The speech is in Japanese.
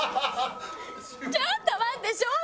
ちょっと待って衝撃！